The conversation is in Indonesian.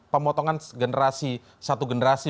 pemotongan generasi satu generasi